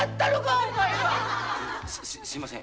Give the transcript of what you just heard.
ああすいません。